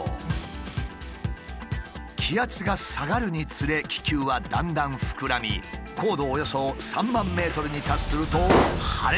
気圧が下がるにつれ気球はだんだん膨らみ高度およそ３万ｍに達すると破裂する。